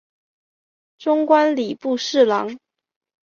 终官礼部侍郎。